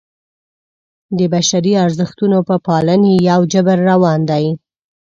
د بشري ارزښتونو په پالنې یو جبر روان دی.